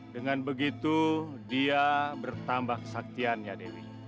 dengan begitu dia bertambah kesaktiannya dewi